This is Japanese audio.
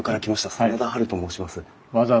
真田ハルと申します。